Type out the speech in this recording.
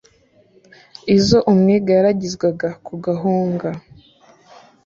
izo umwega yaragizwaga ku gahunga,